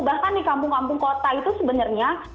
bahkan di kampung kampung kota itu sebenarnya